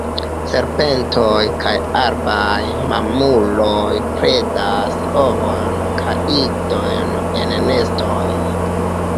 Serpentoj kaj arbaj mamuloj predas ovojn kaj idojn en nestoj.